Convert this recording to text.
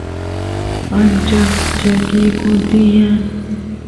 ancha llakikun tiyan